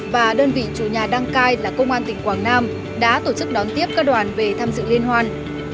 và đơn vị chủ nhà đăng cai là công an tỉnh quảng nam đã tổ chức đón tiếp các đoàn về tham dự liên hoan